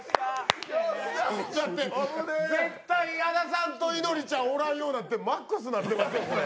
これさ、これ絶対矢田さんといのりちゃんおらんようになってマックスなってますよ、これ。